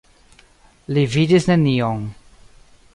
Li vidis nenion.